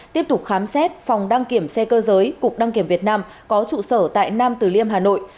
tiếp tục khám xét phòng đăng kiểm xe cơ giới cục đăng kiểm việt nam có trụ sở tại nam tử liêm hà nội